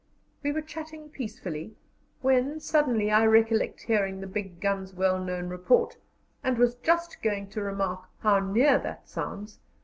We were chatting peacefully, when suddenly I recollect hearing the big gun's well known report, and was just going to remark, "How near that sounds!"